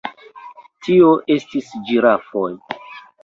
Tio estis ĝirafoj.